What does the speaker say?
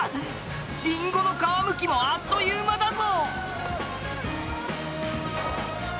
りんごの皮むきもあっという間だぞ！